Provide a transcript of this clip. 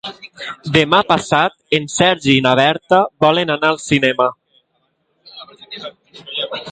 Demà passat en Sergi i na Berta volen anar al cinema.